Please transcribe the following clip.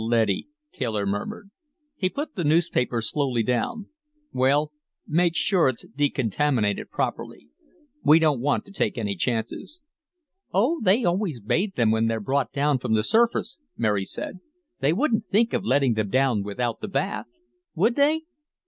"A leady," Taylor murmured. He put the newspaper slowly down. "Well, make sure it's decontaminated properly. We don't want to take any chances." "Oh, they always bathe them when they're brought down from the surface," Mary said. "They wouldn't think of letting them down without the bath. Would they?"